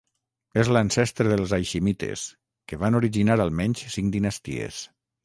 És l'ancestre dels haiximites, que van originar almenys cinc dinasties.